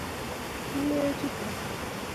eme chuto